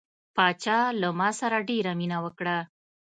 پاچا له ما سره ډیره مینه وکړه.